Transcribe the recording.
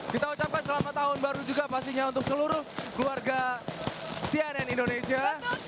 kita ucapkan selamat tahun baru juga pastinya untuk seluruh keluarga cnn indonesia